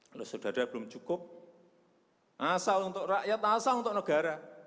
kalau saudara belum cukup asal untuk rakyat asal untuk negara